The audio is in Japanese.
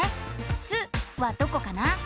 「す」はどこかな？